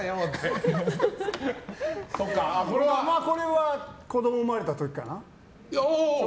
これは子供が生まれた時かな。